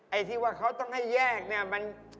ไอ้ที่ว่าเขาต้องให้แยกเนี่ยมัน